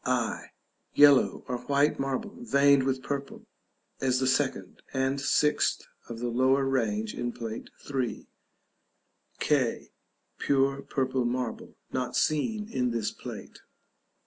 i. Yellow or white marble veined with purple (as the second and sixth of the lower range in Plate III.). k. Pure purple marble, not seen in this plate.